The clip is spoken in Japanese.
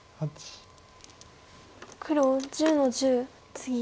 黒１０の十ツギ。